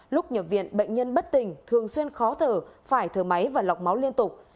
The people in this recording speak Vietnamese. lúc nhập viện bệnh nhân bất tình thường xuyên khó thở phải thở máy và lọc máu liên tục